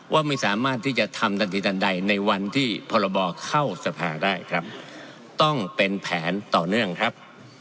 ว่าไม่สามารถที่จะทำทันทีทันใดในวันที่พรบเข้าสภาได้ครับต้องเป็นแผนต่อเนื่องครับ